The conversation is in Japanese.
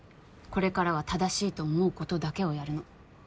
これからは正しいと思うことだけをやるの。